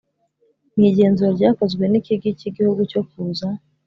mu igenzura ryakozwe n Ikigi cy Igihugu cyo kuza